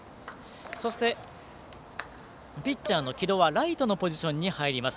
そして、ピッチャーの城戸はライトのポジションに入ります。